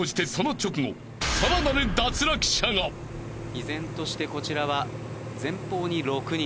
依然としてこちらは前方に６人。